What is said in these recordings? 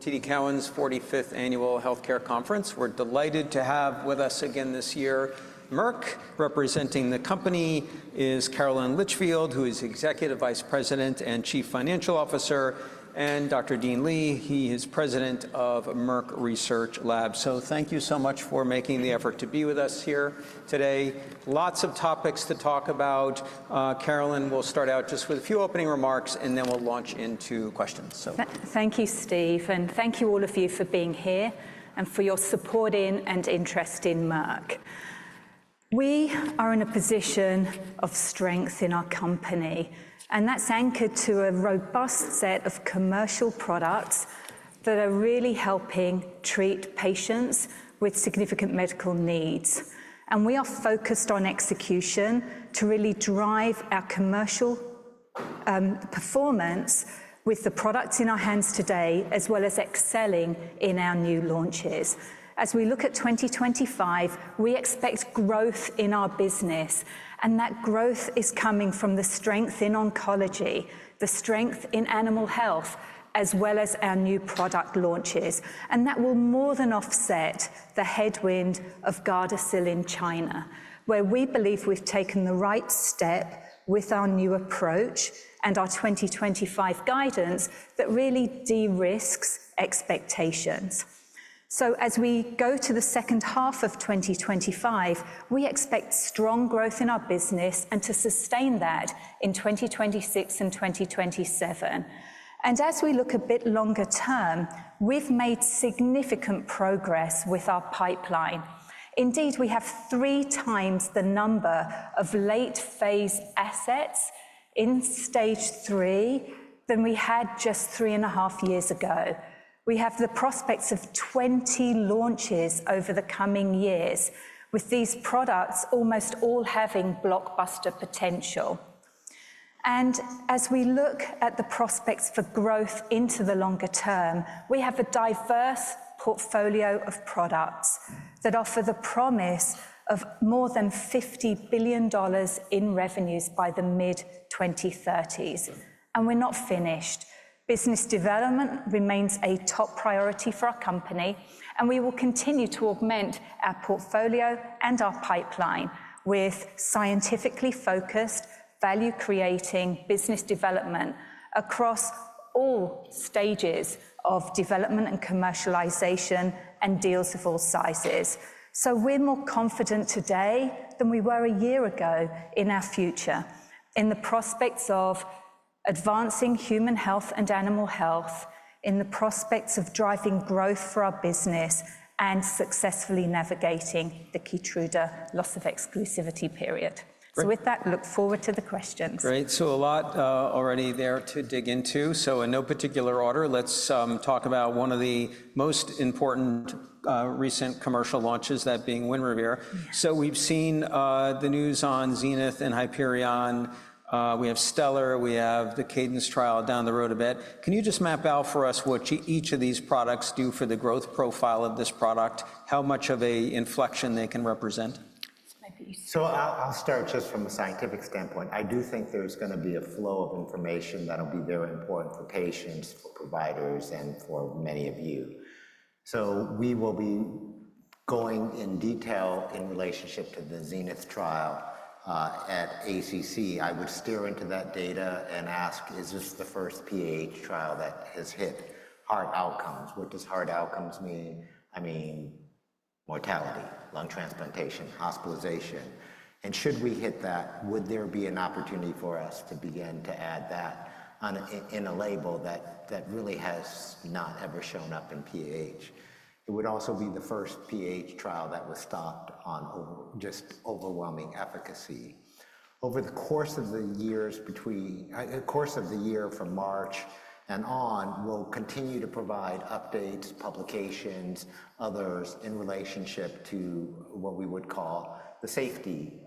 TD Cowen's 45th Annual Healthcare Conference. We're delighted to have with us again this year Merck. Representing the company is Caroline Litchfield, who is Executive Vice President and Chief Financial Officer, and Dr. Dean Li, he is President of Merck Research Laboratories. Thank you so much for making the effort to be with us here today. Lots of topics to talk about. Caroline, we'll start out just with a few opening remarks, and then we'll launch into questions. Thank you, Steve, and thank you all of you for being here and for your support and interest in Merck. We are in a position of strength in our company, and that's anchored to a robust set of commercial products that are really helping treat patients with significant medical needs, and we are focused on execution to really drive our commercial performance with the products in our hands today, as well as excelling in our new launches. As we look at 2025, we expect growth in our business, and that growth is coming from the strength in oncology, the strength in animal health, as well as our new product launches, and that will more than offset the headwind of Gardasil in China, where we believe we've taken the right step with our new approach and our 2025 guidance that really de-risk expectations. So as we go to the second half of 2025, we expect strong growth in our business and to sustain that in 2026 and 2027. And as we look a bit longer term, we've made significant progress with our pipeline. Indeed, we have three times the number of late-phase assets in stage three than we had just three and a half years ago. We have the prospects of 20 launches over the coming years, with these products almost all having blockbuster potential. And as we look at the prospects for growth into the longer term, we have a diverse portfolio of products that offer the promise of more than $50 billion in revenues by the mid-2030s. And we're not finished. Business development remains a top priority for our company, and we will continue to augment our portfolio and our pipeline with scientifically focused, value-creating business development across all stages of development and commercialization and deals of all sizes. So we're more confident today than we were a year ago in our future, in the prospects of advancing human health and animal health, in the prospects of driving growth for our business, and successfully navigating the Keytruda loss of exclusivity period. So with that, look forward to the questions. Great. So a lot already there to dig into. So in no particular order, let's talk about one of the most important recent commercial launches, that being Winrevair. So we've seen the news on ZENITH and HYPERION. We have STELLAR. We have the CADENCE trial down the road a bit. Can you just map out for us what each of these products do for the growth profile of this product, how much of an inflection they can represent? So I'll start just from a scientific standpoint. I do think there's going to be a flow of information that'll be very important for patients, for providers, and for many of you. So we will be going in detail in relationship to the ZENITH trial at ACC. I would steer into that data and ask, is this the first PAH trial that has hit heart outcomes? What does heart outcomes mean? I mean, mortality, lung transplantation, hospitalization. And should we hit that, would there be an opportunity for us to begin to add that in a label that really has not ever shown up in PAH? It would also be the first PAH trial that was stopped on just overwhelming efficacy. Over the course of the years, between the course of the year from March and on, we'll continue to provide updates, publications, others in relationship to what we would call the safety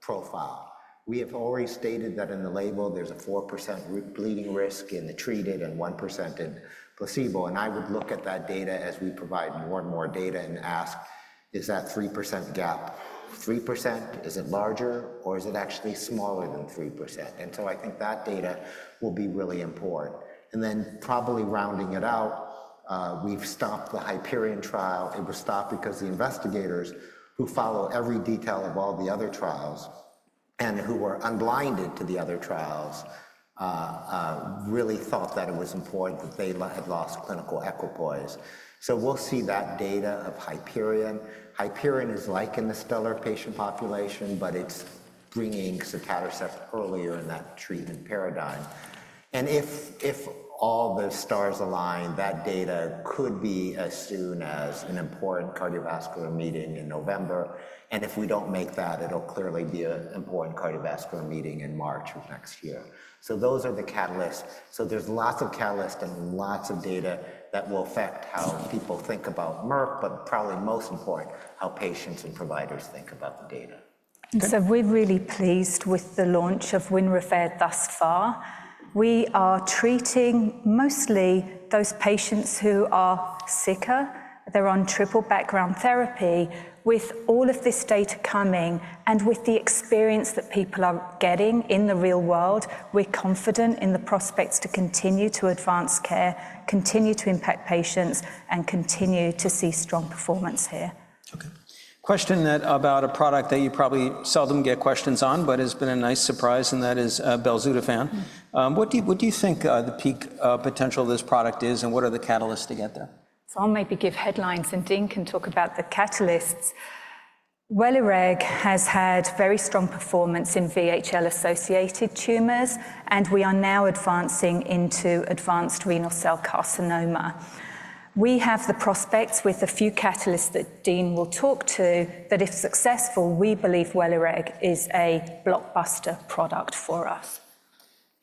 profile. We have already stated that in the label, there's a 4% bleeding risk in the treated and 1% in placebo. And I would look at that data as we provide more and more data and ask, is that 3% gap 3%? Is it larger, or is it actually smaller than 3%? And so I think that data will be really important. And then probably rounding it out, we've stopped the HYPERION trial. It was stopped because the investigators who follow every detail of all the other trials and who were unblinded to the other trials really thought that it was important that they had lost clinical equipoise. So we'll see that data of HYPERION. HYPERION is like in the STELLAR patient population, but it's bringing sotatercept earlier in that treatment paradigm. And if all the stars align, that data could be as soon as an important cardiovascular meeting in November. And if we don't make that, it'll clearly be an important cardiovascular meeting in March of next year. So those are the catalysts. So there's lots of catalysts and lots of data that will affect how people think about Merck, but probably most important, how patients and providers think about the data. And so we're really pleased with the launch of Winrevair thus far. We are treating mostly those patients who are sicker. They're on triple background therapy. With all of this data coming and with the experience that people are getting in the real world, we're confident in the prospects to continue to advance care, continue to impact patients, and continue to see strong performance here. Okay. Question about a product that you probably seldom get questions on, but has been a nice surprise, and that is belzutifan. What do you think the peak potential of this product is, and what are the catalysts to get there? I'll maybe give headlines and then talk about the catalysts. Welireg has had very strong performance in VHL-associated tumors, and we are now advancing into advanced renal cell carcinoma. We have the prospects with a few catalysts that Dean will talk about that, if successful, we believe Welireg is a blockbuster product for us.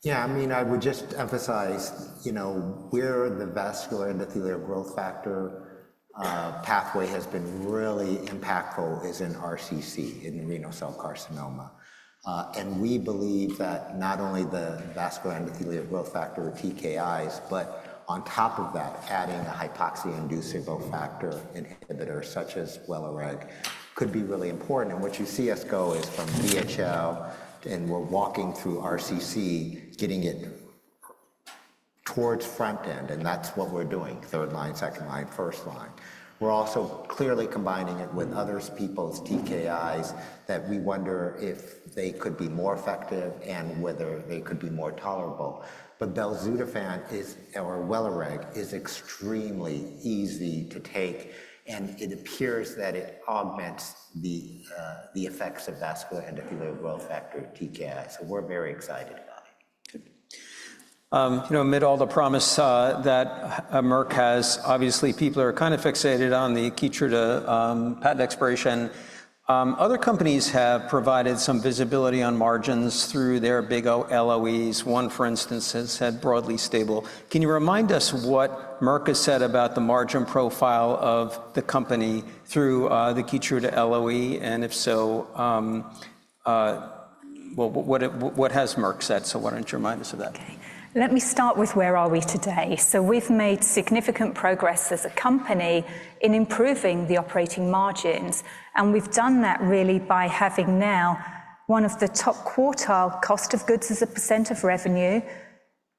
Yeah, I mean, I would just emphasize, you know, where the vascular endothelial growth factor pathway has been really impactful is in RCC, in renal cell carcinoma. And we believe that not only the vascular endothelial growth factor, TKIs, but on top of that, adding a hypoxia-inducible factor inhibitor such as Welireg could be really important. And what you see us go is from VHL, and we're walking through RCC, getting it towards front end, and that's what we're doing, third line, second line, first line. We're also clearly combining it with other people's TKIs that we wonder if they could be more effective and whether they could be more tolerable. But belzutifan or Welireg is extremely easy to take, and it appears that it augments the effects of vascular endothelial growth factor, TKI. So we're very excited about it. You know, amid all the promise that Merck has, obviously, people are kind of fixated on the Keytruda patent expiration. Other companies have provided some visibility on margins through their big LOEs. One, for instance, has said broadly stable. Can you remind us what Merck has said about the margin profile of the company through the Keytruda LOE? And if so, well, what has Merck said? So why don't you remind us of that? Let me start with where are we today? So we've made significant progress as a company in improving the operating margins, and we've done that really by having now one of the top quartile cost of goods as a percent of revenue,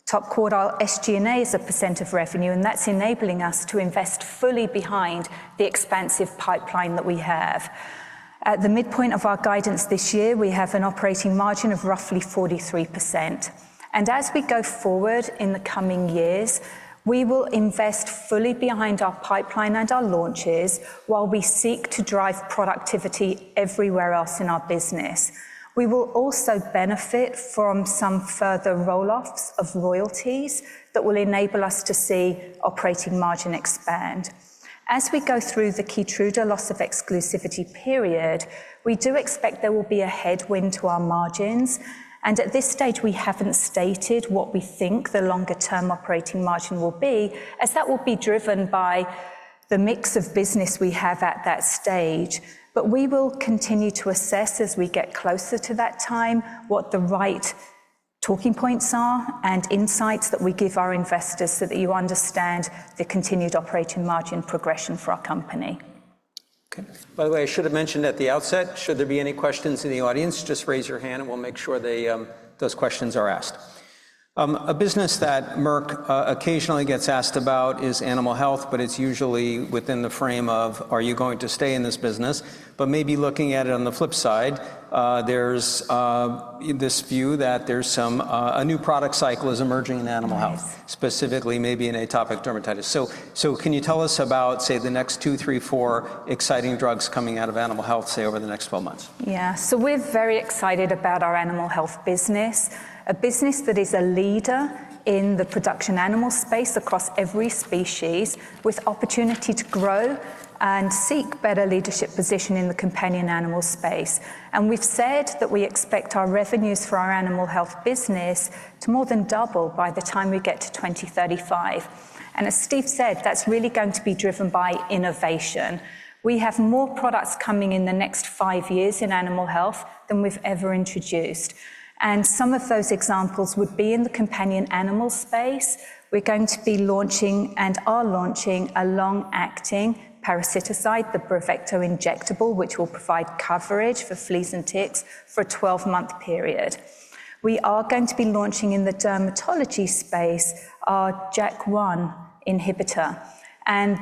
top quartile SG&A as a percent of revenue, and that's enabling us to invest fully behind the expansive pipeline that we have. At the midpoint of our guidance this year, we have an operating margin of roughly 43%. And as we go forward in the coming years, we will invest fully behind our pipeline and our launches while we seek to drive productivity everywhere else in our business. We will also benefit from some further roll-offs of royalties that will enable us to see operating margin expand. As we go through the Keytruda loss of exclusivity period, we do expect there will be a headwind to our margins. And at this stage, we haven't stated what we think the longer-term operating margin will be, as that will be driven by the mix of business we have at that stage. But we will continue to assess as we get closer to that time what the right talking points are and insights that we give our investors so that you understand the continued operating margin progression for our company. Okay. By the way, I should have mentioned at the outset, should there be any questions in the audience, just raise your hand and we'll make sure those questions are asked. A business that Merck occasionally gets asked about is animal health, but it's usually within the frame of, are you going to stay in this business? But maybe looking at it on the flip side, there's this view that there's some new product cycle emerging in animal health, specifically maybe in atopic dermatitis. So can you tell us about, say, the next two, three, four exciting drugs coming out of animal health, say, over the next 12 months? Yeah. We're very excited about our animal health business, a business that is a leader in the production animal space across every species, with opportunity to grow and seek better leadership positions in the companion animal space. We've said that we expect our revenues for our animal health business to more than double by the time we get to 2035. As Steve said, that's really going to be driven by innovation. We have more products coming in the next five years in animal health than we've ever introduced. Some of those examples would be in the companion animal space. We're going to be launching and are launching a long-acting parasiticide, the Bravecto injectable, which will provide coverage for fleas and ticks for a 12-month period. We are going to be launching in the dermatology space our JAK1 inhibitor.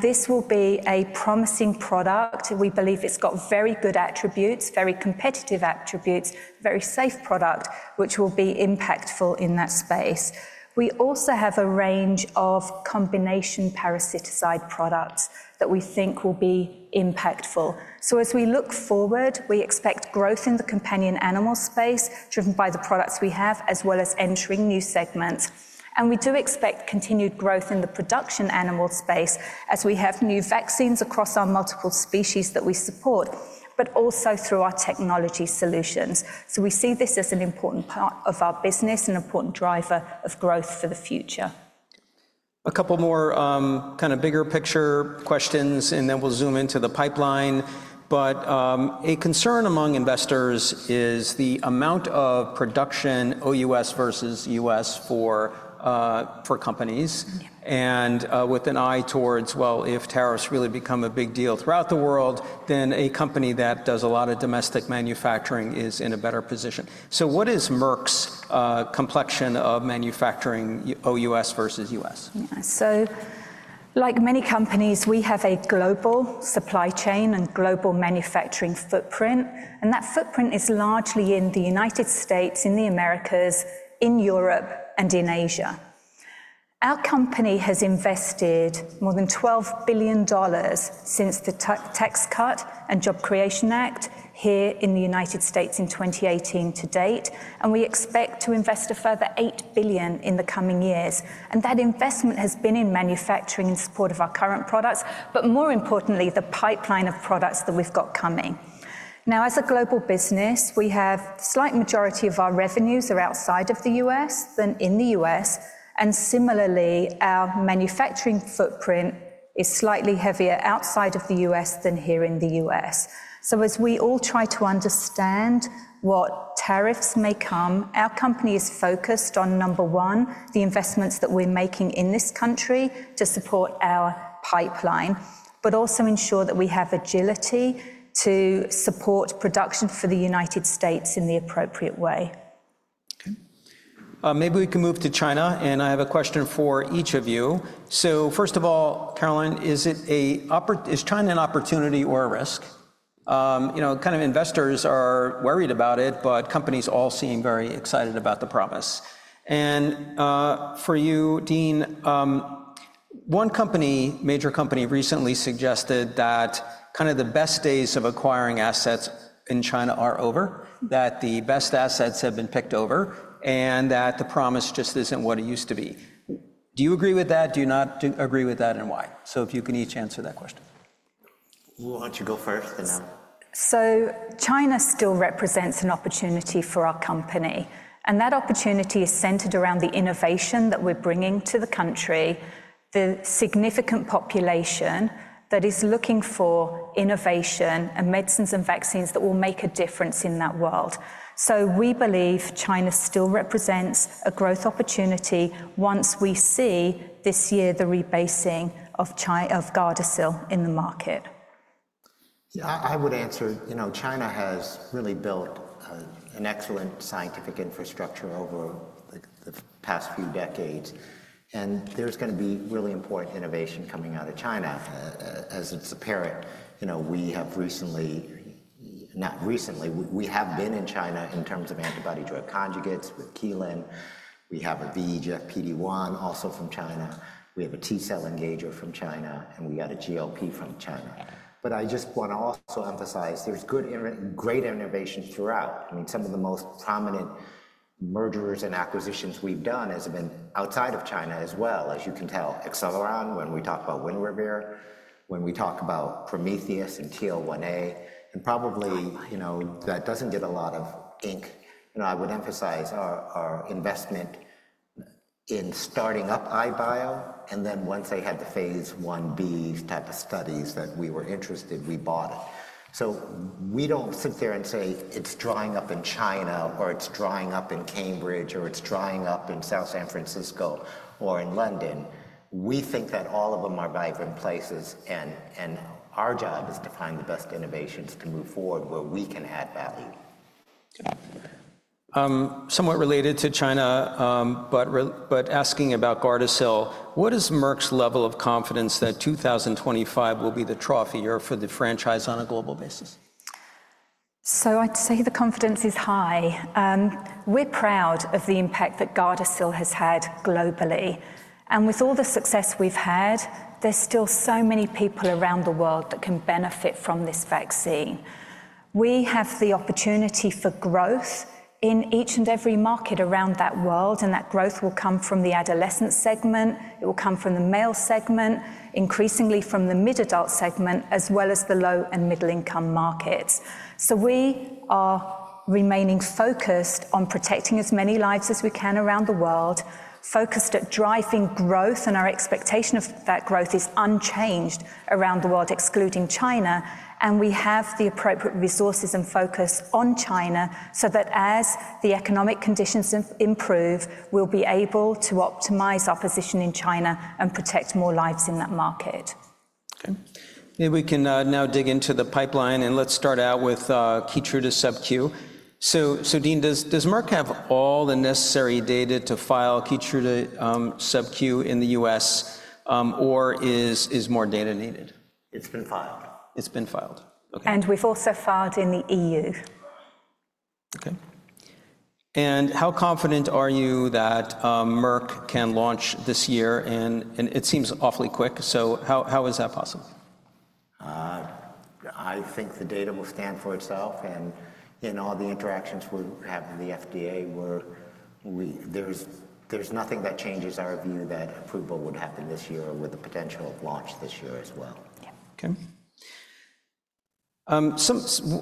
This will be a promising product. We believe it's got very good attributes, very competitive attributes, very safe product, which will be impactful in that space. We also have a range of combination parasiticide products that we think will be impactful. So as we look forward, we expect growth in the companion animal space driven by the products we have, as well as entering new segments. And we do expect continued growth in the production animal space as we have new vaccines across our multiple species that we support, but also through our technology solutions. So we see this as an important part of our business, an important driver of growth for the future. A couple more kind of bigger picture questions, and then we'll zoom into the pipeline. But a concern among investors is the amount of production OUS versus U.S. for companies. And with an eye towards, well, if tariffs really become a big deal throughout the world, then a company that does a lot of domestic manufacturing is in a better position. So what is Merck's complexion of manufacturing OUS versus U.S.? Yeah. So like many companies, we have a global supply chain and global manufacturing footprint. And that footprint is largely in the United States, in the Americas, in Europe, and in Asia. Our company has invested more than $12 billion since the Tax Cuts and Jobs Act here in the United States in 2018 to date. And we expect to invest a further $8 billion in the coming years. And that investment has been in manufacturing in support of our current products, but more importantly, the pipeline of products that we've got coming. Now, as a global business, we have a slight majority of our revenues that are outside of the U.S. than in the U.S. And similarly, our manufacturing footprint is slightly heavier outside of the U.S. than here in the U.S. As we all try to understand what tariffs may come, our company is focused on, number one, the investments that we're making in this country to support our pipeline, but also ensure that we have agility to support production for the United States in the appropriate way. Okay. Maybe we can move to China, and I have a question for each of you. So first of all, Caroline, is China an opportunity or a risk? You know, kind of investors are worried about it, but companies all seem very excited about the promise. And for you, Dean, one company, major company, recently suggested that kind of the best days of acquiring assets in China are over, that the best assets have been picked over, and that the promise just isn't what it used to be. Do you agree with that? Do you not agree with that, and why? So if you can each answer that question. We'll let you go first, and now. China still represents an opportunity for our company. And that opportunity is centered around the innovation that we're bringing to the country, the significant population that is looking for innovation and medicines and vaccines that will make a difference in that world. We believe China still represents a growth opportunity once we see this year the rebasing of Gardasil in the market. Yeah, I would answer, you know, China has really built an excellent scientific infrastructure over the past few decades, and there's going to be really important innovation coming out of China as it's apparent. You know, we have recently, not recently, we have been in China in terms of antibody drug conjugates with Kelun. We have a VEGF/PD-1 also from China. We have a T-cell engager from China, and we got a GLP from China, but I just want to also emphasize there's great innovation throughout. I mean, some of the most prominent mergers and acquisitions we've done have been outside of China as well, as you can tell. Acceleron, when we talk about Winrevair, when we talk about Prometheus and TL1A, and probably, you know, that doesn't get a lot of ink. You know, I would emphasize our investment in starting up EyeBio, and then once they had the phase 1b type of studies that we were interested, we bought it. So we don't sit there and say it's drying up in China, or it's drying up in Cambridge, or it's drying up in South San Francisco or in London. We think that all of them are vibrant places, and our job is to find the best innovations to move forward where we can add value. Somewhat related to China, but asking about Gardasil, what is Merck's level of confidence that 2025 will be the trophy year for the franchise on a global basis? So I'd say the confidence is high. We're proud of the impact that Gardasil has had globally. And with all the success we've had, there's still so many people around the world that can benefit from this vaccine. We have the opportunity for growth in each and every market around the world, and that growth will come from the adolescent segment, it will come from the male segment, increasingly from the mid-adult segment, as well as the low and middle-income markets. So we are remaining focused on protecting as many lives as we can around the world, focused on driving growth, and our expectation of that growth is unchanged around the world, excluding China. And we have the appropriate resources and focus on China so that as the economic conditions improve, we'll be able to optimize our position in China and protect more lives in that market. Okay. Maybe we can now dig into the pipeline, and let's start out with Keytruda Sub-Q. So Dean, does Merck have all the necessary data to file Keytruda Sub-Q in the U.S., or is more data needed? It's been filed. It's been filed. Okay. We've also filed in the EU. Okay. How confident are you that Merck can launch this year? It seems awfully quick, so how is that possible? I think the data will stand for itself, and in all the interactions we have with the FDA, there's nothing that changes our view that approval would happen this year with the potential of launch this year as well. Yeah. Okay.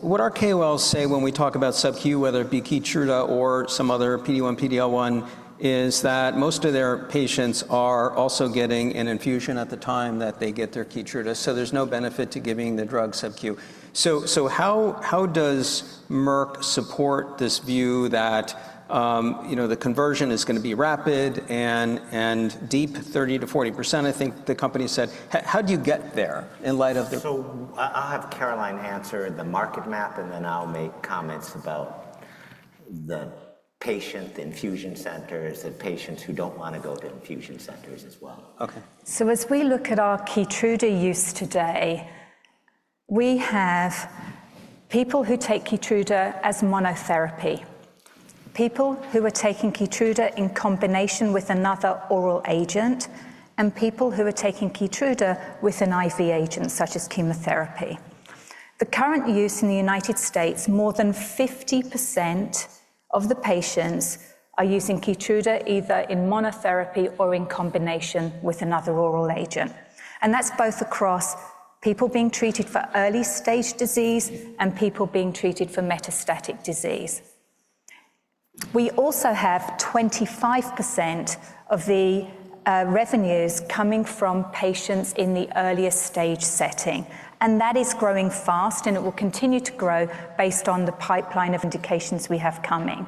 What our KOLs say when we talk about Sub-Q, whether it be Keytruda or some other PD-1, PD-L1, is that most of their patients are also getting an infusion at the time that they get their Keytruda, so there's no benefit to giving the drug Sub-Q. So how does Merck support this view that, you know, the conversion is going to be rapid and deep, 30%-40%, I think the company said? How do you get there in light of the? So I'll have Caroline answer the market map, and then I'll make comments about the patient infusion centers and patients who don't want to go to infusion centers as well. Okay. As we look at our Keytruda use today, we have people who take Keytruda as monotherapy, people who are taking Keytruda in combination with another oral agent, and people who are taking Keytruda with an IV agent such as chemotherapy. The current use in the United States: more than 50% of the patients are using Keytruda either in monotherapy or in combination with another oral agent. That's both across people being treated for early-stage disease and people being treated for metastatic disease. We also have 25% of the revenues coming from patients in the earliest stage setting. That is growing fast, and it will continue to grow based on the pipeline of indications we have coming.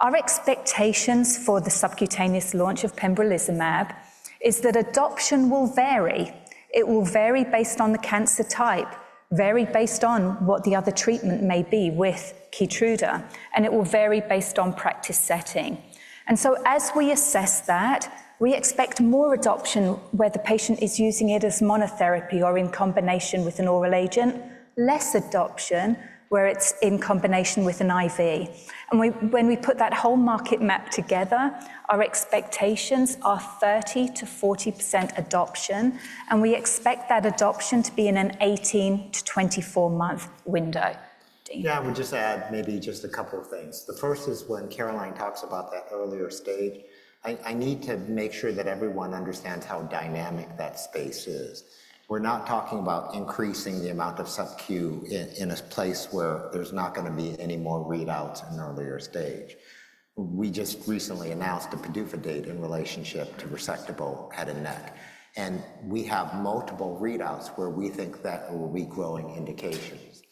Our expectations for the subcutaneous launch of pembrolizumab is that adoption will vary. It will vary based on the cancer type, vary based on what the other treatment may be with Keytruda, and it will vary based on practice setting. And so as we assess that, we expect more adoption where the patient is using it as monotherapy or in combination with an oral agent, less adoption where it's in combination with an IV. And when we put that whole market map together, our expectations are 30%-40% adoption, and we expect that adoption to be in an 18-24-month window. Yeah, I would just add maybe just a couple of things. The first is when Caroline talks about that earlier stage, I need to make sure that everyone understands how dynamic that space is. We're not talking about increasing the amount of sub Q in a place where there's not going to be any more readouts in earlier stage. We just recently announced a PDUFA date in relationship to resectable head and neck. And we have multiple readouts where we think that will be growing indications.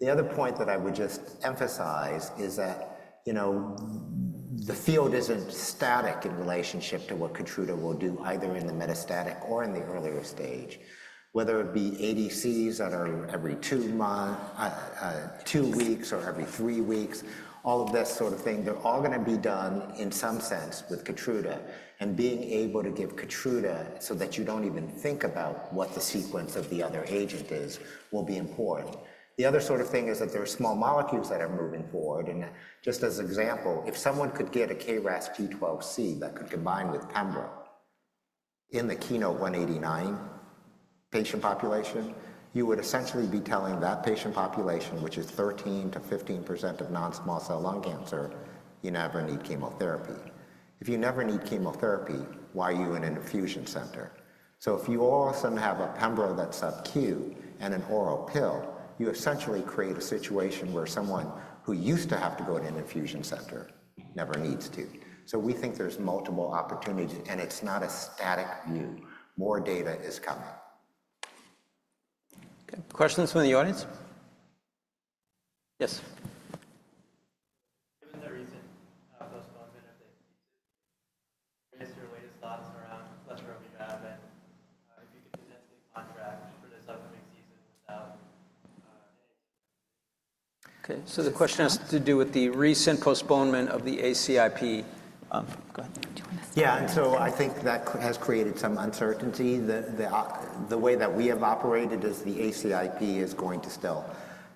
The other point that I would just emphasize is that, you know, the field isn't static in relationship to what Keytruda will do either in the metastatic or in the earlier stage, whether it be ADCs that are every two months, two weeks, or every three weeks, all of this sort of thing, they're all going to be done in some sense with Keytruda. Being able to give Keytruda so that you don't even think about what the sequence of the other agent is will be important. The other sort of thing is that there are small molecules that are moving forward. Just as an example, if someone could get a KRAS G12C that could combine with Pembro in the KEYNOTE-189 patient population, you would essentially be telling that patient population, which is 13%-15% of non-small cell lung cancer, you never need chemotherapy. If you never need chemotherapy, why are you in an infusion center? If you also have a Pembro that's Sub-Q and an oral pill, you essentially create a situation where someone who used to have to go to an infusion center never needs to. We think there's multiple opportunities, and it's not a static view. More data is coming. Okay. Questions from the audience? Yes. Given the reason most of us benefit from your latest thoughts around clesrovimab and if you could potentially comment on this upcoming season without an ACIP. Okay, so the question has to do with the recent postponement of the ACIP. Go ahead. Yeah. And so I think that has created some uncertainty. The way that we have operated is the ACIP is going to still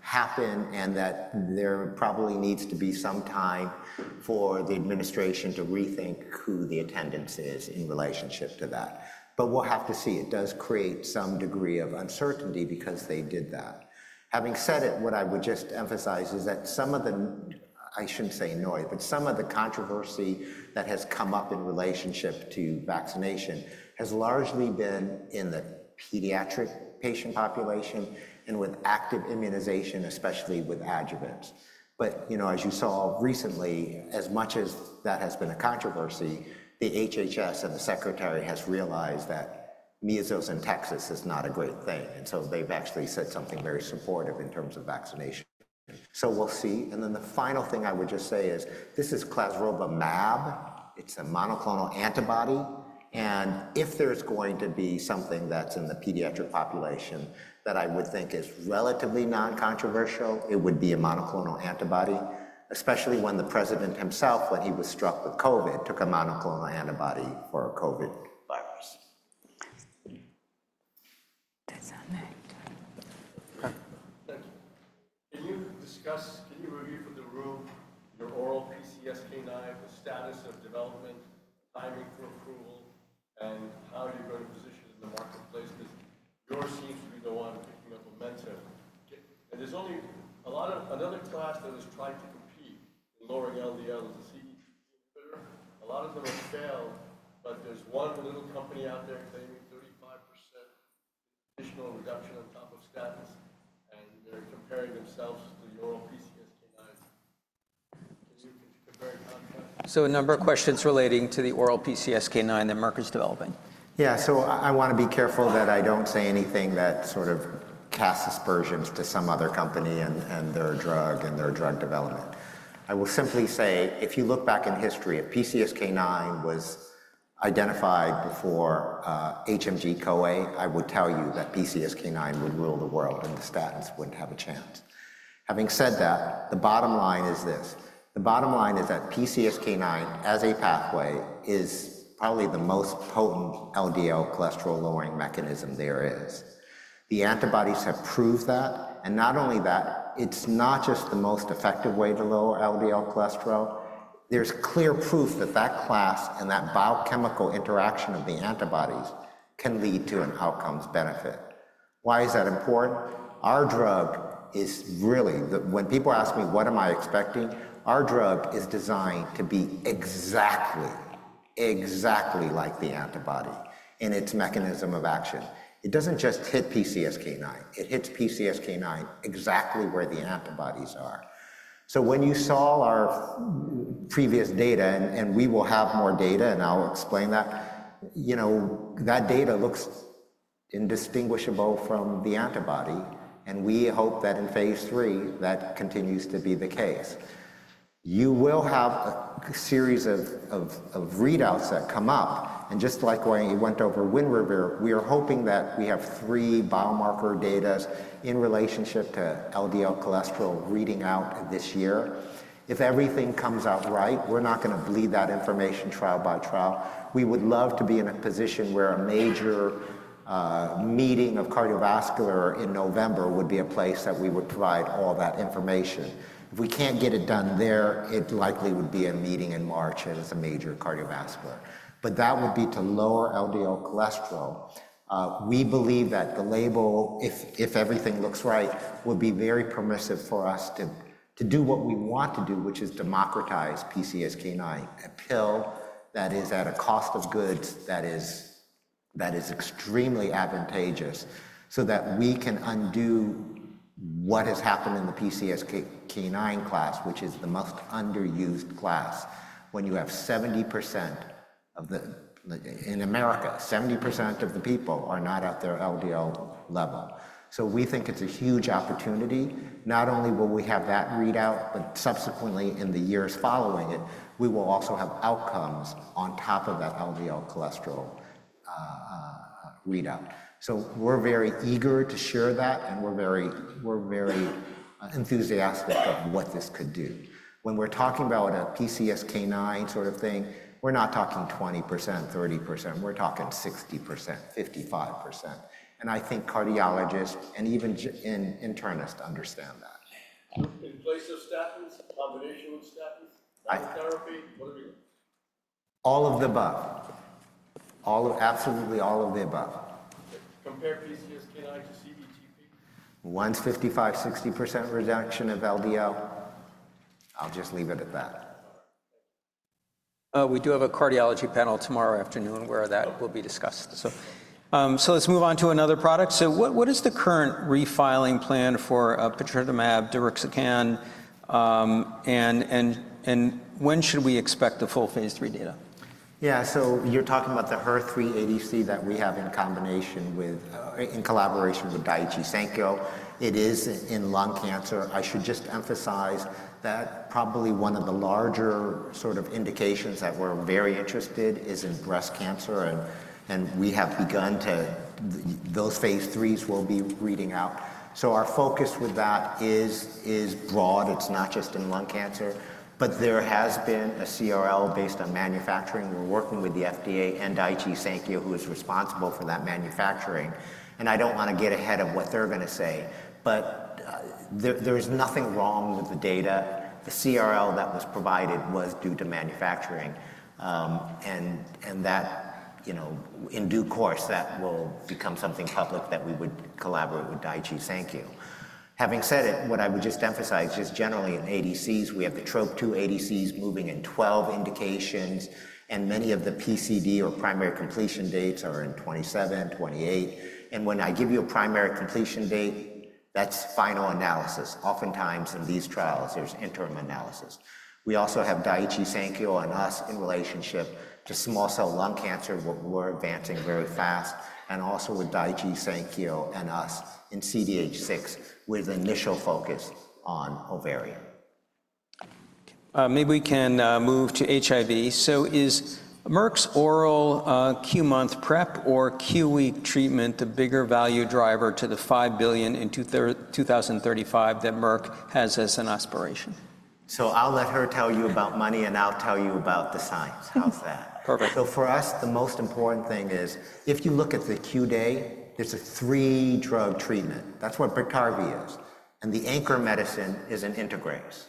happen and that there probably needs to be some time for the administration to rethink who the attendance is in relationship to that, but we'll have to see. It does create some degree of uncertainty because they did that. Having said it, what I would just emphasize is that some of the, I shouldn't say noise, but some of the controversy that has come up in relationship to vaccination has largely been in the pediatric patient population and with active immunization, especially with adjuvants, but, you know, as you saw recently, as much as that has been a controversy, the HHS and the secretary has realized that measles in Texas is not a great thing, and so they've actually said something very supportive in terms of vaccination. We'll see. The final thing I would just say is this is clesrovimab. It's a monoclonal antibody. And if there's going to be something that's in the pediatric population that I would think is relatively non-controversial, it would be a monoclonal antibody, especially when the president himself, when he was struck with COVID, took a monoclonal antibody for COVID virus. That's on that. Okay. Thank you. Can you discuss, can you review for the room your oral PCSK9, the status of development, timing for approval, and how you're going to position it in the marketplace? Because yours seems to be the one picking up momentum. And there's a whole lot of another class that has tried to compete in lowering LDL, the PCSK9 inhibitor. A lot of them have failed, but there's one little company out there claiming 35% additional reduction on top of statins, and they're comparing themselves to the oral PCSK9. Can you compare and contrast? A number of questions relating to the oral PCSK9 that Merck is developing. Yeah. So I want to be careful that I don't say anything that sort of casts aspersions to some other company and their drug and their drug development. I will simply say, if you look back in history, if PCSK9 was identified before HMG-CoA, I would tell you that PCSK9 would rule the world and the statins wouldn't have a chance. Having said that, the bottom line is this. The bottom line is that PCSK9 as a pathway is probably the most potent LDL cholesterol-lowering mechanism there is. The antibodies have proved that. And not only that, it's not just the most effective way to lower LDL cholesterol. There's clear proof that that class and that biochemical interaction of the antibodies can lead to an outcome's benefit. Why is that important? Our drug is really, when people ask me, what am I expecting, our drug is designed to be exactly, exactly like the antibody in its mechanism of action. It doesn't just hit PCSK9. It hits PCSK9 exactly where the antibodies are. So when you saw our previous data, and we will have more data, and I'll explain that, you know, that data looks indistinguishable from the antibody, and we hope that in phase three, that continues to be the case. You will have a series of readouts that come up, and just like when you went over Winrevair, we are hoping that we have three biomarker data in relationship to LDL cholesterol reading out this year. If everything comes out right, we're not going to bleed that information trial by trial. We would love to be in a position where a major cardiovascular meeting in November would be a place that we would provide all that information. If we can't get it done there, it likely would be a major cardiovascular meeting in March. But that would be to lower LDL cholesterol. We believe that the label, if everything looks right, would be very permissive for us to do what we want to do, which is democratize PCSK9, a pill that is at a cost of goods that is extremely advantageous so that we can undo what has happened in the PCSK9 class, which is the most underused class when you have 70% of the, in America, 70% of the people are not at their LDL level. So we think it's a huge opportunity. Not only will we have that readout, but subsequently in the years following it, we will also have outcomes on top of that LDL cholesterol readout. So we're very eager to share that, and we're very enthusiastic about what this could do. When we're talking about a PCSK9 sort of thing, we're not talking 20%, 30%. We're talking 60%, 55%. And I think cardiologists and even internists understand that. In place of statins, combination with statins, chemotherapy, what are we looking at? All of the above. Absolutely all of the above. Compare PCSK9 to CETP? One's 55%-60% reduction of LDL. I'll just leave it at that. We do have a cardiology panel tomorrow afternoon where that will be discussed. So let's move on to another product. So what is the current refiling plan for patritumab deruxtecan, and when should we expect the full phase III data? Yeah. So you're talking about the HER3 ADC that we have in combination with, in collaboration with Daiichi Sankyo. It is in lung cancer. I should just emphasize that probably one of the larger sort of indications that we're very interested in is in breast cancer, and we have begun to, those phase 3s will be reading out. So our focus with that is broad. It's not just in lung cancer, but there has been a CRL based on manufacturing. We're working with the FDA and Daiichi Sankyo, who is responsible for that manufacturing. And I don't want to get ahead of what they're going to say, but there is nothing wrong with the data. The CRL that was provided was due to manufacturing. And that, you know, in due course, that will become something public that we would collaborate with Daiichi Sankyo. Having said it, what I would just emphasize just generally in ADCs, we have the TROP2 ADCs moving in 12 indications, and many of the PCD or primary completion dates are in 2027, 2028, and when I give you a primary completion date, that's final analysis. Oftentimes in these trials, there's interim analysis. We also have Daiichi Sankyo and us in relationship to small cell lung cancer, where we're advancing very fast, and also with Daiichi Sankyo and us in CDH6 with initial focus on ovarian. Maybe we can move to HIV. So is Merck's oral Q month PrEP or Q week treatment the bigger value driver to the $5 billion in 2035 that Merck has as an aspiration? So I'll let her tell you about money, and I'll tell you about the science. How's that? Perfect. So for us, the most important thing is if you look at the Q day, there's a three-drug treatment. That's what Biktarvy is. And the anchor medicine is an integrase.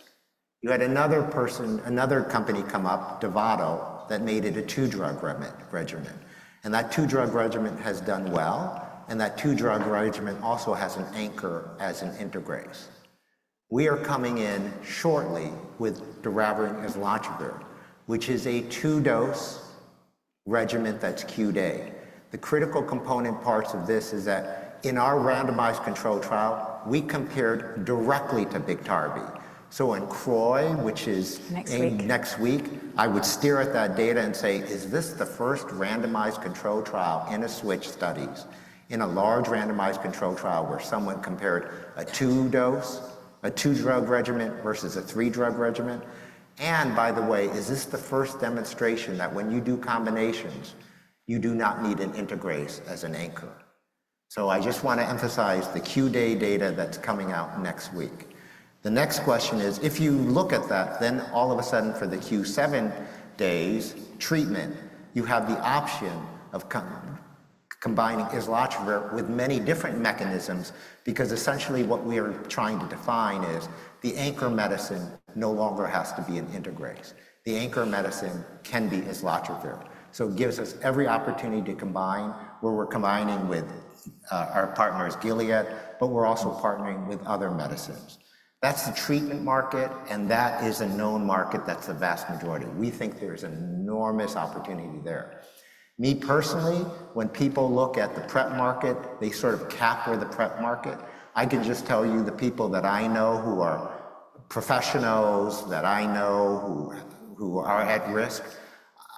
You had another person, another company come up, Dovato, that made it a two-drug regimen. And that two-drug regimen has done well, and that two-drug regimen also has an anchor as an integrase. We are coming in shortly with doravirine/islatravir, which is a two-dose regimen that's Q day. The critical component parts of this is that in our randomized control trial, we compared directly to Biktarvy. So in CROI, which is. Next week. Next week, I would stare at that data and say, is this the first randomized control trial in a switch studies in a large randomized control trial where someone compared a two-dose, a two-drug regimen versus a three-drug regimen? And by the way, is this the first demonstration that when you do combinations, you do not need an integrase as an anchor? So I just want to emphasize the Q day data that's coming out next week. The next question is, if you look at that, then all of a sudden for the Q seven days treatment, you have the option of combining Islatravir with many different mechanisms because essentially what we are trying to define is the anchor medicine no longer has to be an integrase. The anchor medicine can be Islatravir. It gives us every opportunity to combine where we're combining with our partners, Gilead, but we're also partnering with other medicines. That's the treatment market, and that is a known market that's the vast majority. We think there's an enormous opportunity there. Me personally, when people look at the PrEP market, they sort of cap where the PrEP market. I can just tell you the people that I know who are professionals that I know who are at risk.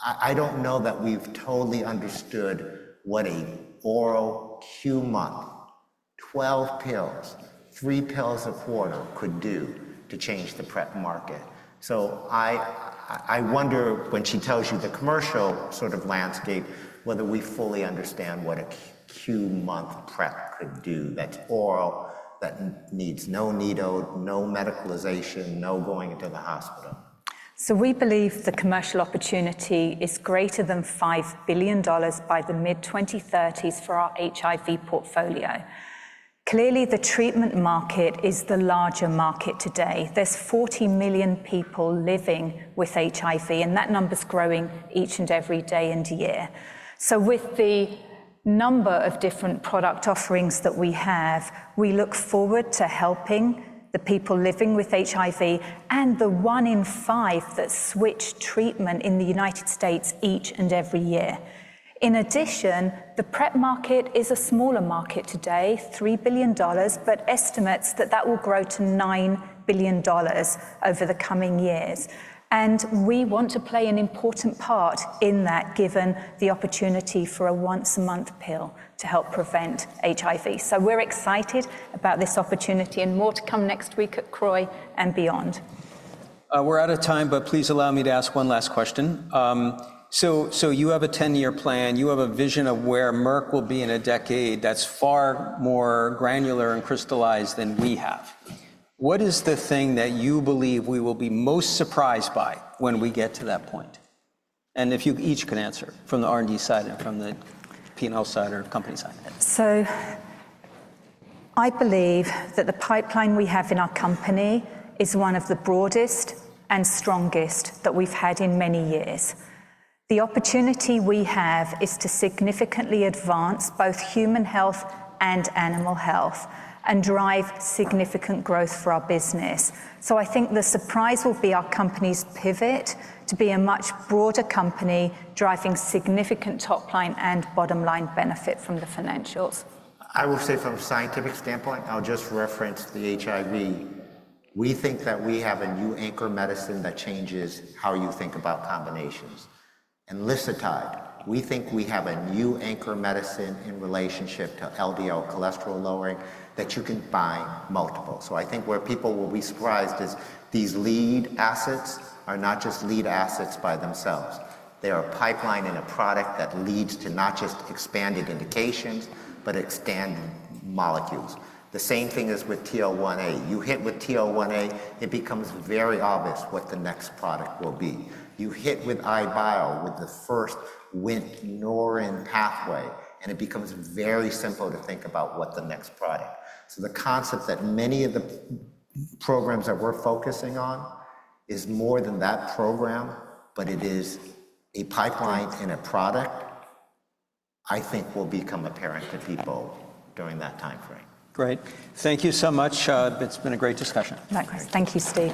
I don't know that we've totally understood what an oral Q month, 12 pills, three pills a quarter could do to change the PrEP market. I wonder when she tells you the commercial sort of landscape, whether we fully understand what a Q month PrEP could do that's oral, that needs no needle, no medicalization, no going into the hospital. So we believe the commercial opportunity is greater than $5 billion by the mid-2030s for our HIV portfolio. Clearly, the treatment market is the larger market today. There's 40 million people living with HIV, and that number's growing each and every day and year. So with the number of different product offerings that we have, we look forward to helping the people living with HIV and the one in five that switch treatment in the United States each and every year. In addition, the PrEP market is a smaller market today, $3 billion, but estimates that that will grow to $9 billion over the coming years. And we want to play an important part in that given the opportunity for a once-a-month pill to help prevent HIV. So we're excited about this opportunity and more to come next week at CROI and beyond. We're out of time, but please allow me to ask one last question. So you have a 10-year plan. You have a vision of where Merck will be in a decade that's far more granular and crystallized than we have. What is the thing that you believe we will be most surprised by when we get to that point? And if you each can answer from the R&D side and from the P&L side or company side. So I believe that the pipeline we have in our company is one of the broadest and strongest that we've had in many years. The opportunity we have is to significantly advance both human health and animal health and drive significant growth for our business. So I think the surprise will be our company's pivot to be a much broader company driving significant top line and bottom line benefit from the financials. I will say from a scientific standpoint, I'll just reference the HIV. We think that we have a new anchor medicine that changes how you think about combinations. MK-0616, we think we have a new anchor medicine in relationship to LDL cholesterol lowering that you can buy multiple. So I think where people will be surprised is these lead assets are not just lead assets by themselves. They are a pipeline and a product that leads to not just expanded indications, but expanded molecules. The same thing is with TL1A. You hit with TL1A, it becomes very obvious what the next product will be. You hit with EyeBio with the first Wnt/Norrin pathway, and it becomes very simple to think about what the next product. So the concept that many of the programs that we're focusing on is more than that program, but it is a pipeline and a product I think will become apparent to people during that timeframe. Great. Thank you so much. It's been a great discussion. Thank you, Steve.